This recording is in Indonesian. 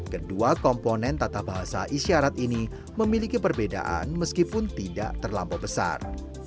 kedua komponen tata bahasa isyarat ini memiliki perbedaan meskipun tidak terlampau besar